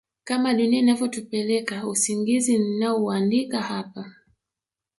kama dunia inavyotupeleka Usingizi ninaouandika hapa